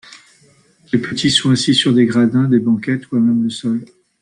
Les petits sont assis sur des gradins, des banquettes, ou à-même le sol.